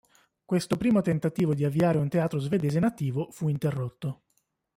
Questo primo tentativo di avviare un teatro svedese nativo fu interrotto.